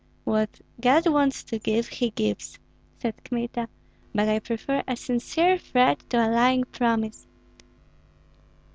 "What God wants to give, he gives!" said Kmita. "But I prefer a sincere threat to a lying promise.